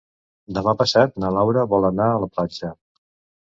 Demà passat na Laura vol anar a la platja.